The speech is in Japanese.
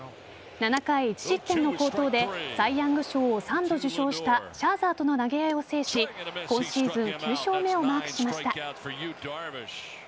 ７回１失点の好投でサイ・ヤング賞を３度受賞したシャーザーとの投げ合いを制し今シーズン９勝目をマークしました。